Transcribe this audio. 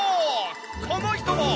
この人も。